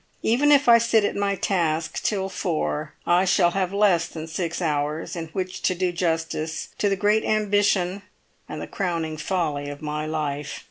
Even if I sit at my task till four I shall have less than six hours in which to do justice to the great ambition and the crowning folly of my life.